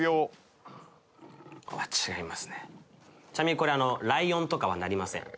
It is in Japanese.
ちなみにこれライオンとかはなりません。